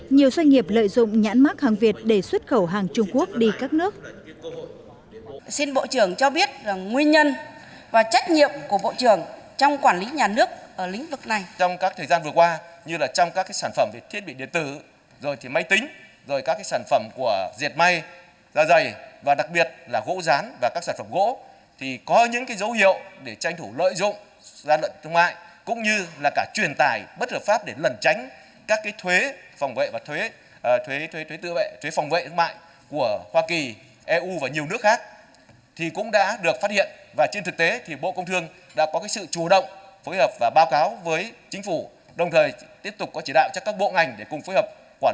nhiều doanh nghiệp lợi dụng nhãn mắc hàng việt để xuất khẩu hàng trung quốc đi các nước